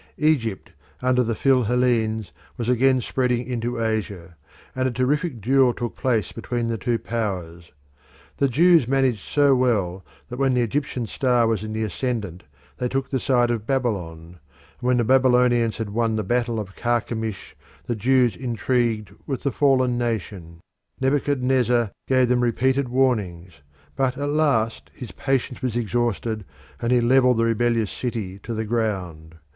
Egypt under the Phil Hellenes was again spreading into Asia, and a terrific duel took place between the two powers. The Jews managed so well that when the Egyptian star was in the ascendant they took the side of Babylon; and when the Babylonians had won the battle of Carchemish the Jews intrigued with the fallen nation. Nebuchadnezzar gave them repeated warnings, but at last his patience was exhausted and he levelled the rebellious city to the ground.